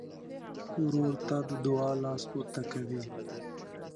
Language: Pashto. ورور ته د دعا لاس پورته کوي.